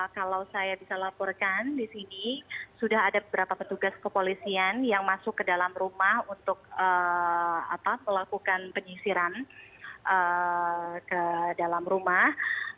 kalau saya bisa laporkan di sini sudah ada beberapa petugas kepolisian yang masuk ke dalam rumah untuk melakukan penyisiran ke dalam rumah